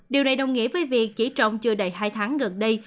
điều này đồng nghĩa với việc chỉ trong chưa đầy hai tháng gần đây